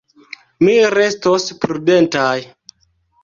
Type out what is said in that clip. Ni restos prudentaj.